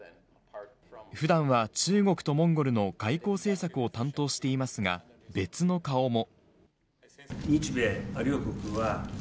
普段は中国とモンゴルの外交政策を担当していますが、別の顔も。